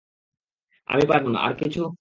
আমি পারব না, আর কিছু?